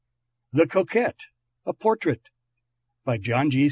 THE COQUETTE A Portrait BY JOHN G.